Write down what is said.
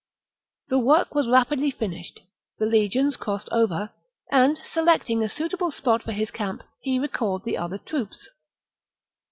The work was rapidly finished ; the legions crossed over ; and, selecting a suitable spot for his camp, he recalled the other troops.